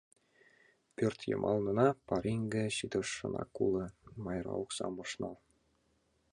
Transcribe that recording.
— Пӧртйымалнына пареҥге ситышынак уло, — Майра оксам ыш нал.